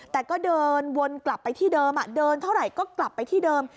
แต่ก็เดินวนกลับไปที่เดิมเดินเท่าไหร่ก็กลับไปที่เดิม